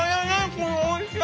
このおいしさ！